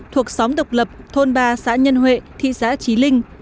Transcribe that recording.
thuộc xóm độc lập thôn ba xã nhân huệ thị xã trí linh